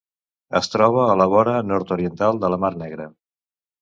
Es troba a la vora nord-oriental de la mar Negra.